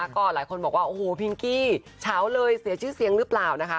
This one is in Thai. ก็ไหร่คนบอกว่าโอ้โฮพีงกี้เฉ้าเลยเสียชื่อเสียงหรือเปล่า